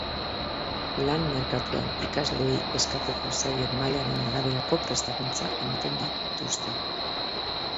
Lan-merkatuan ikasleei eskatuko zaien mailaren araberako prestakuntza ematen dituzte.